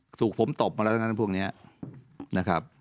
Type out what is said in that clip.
ถูกผมตบมาแล้วนะพวกนี้นะครับ